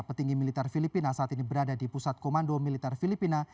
petinggi militer filipina saat ini berada di pusat komando militer filipina